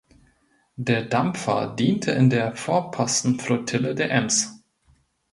Der Dampfer diente in der Vorpostenflottille der Ems.